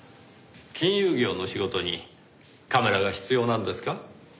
金融業の仕事にカメラが必要なのですか？